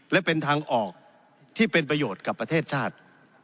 และเป็นทางออกที่เป็นประโยชน์กับประเทศชาติ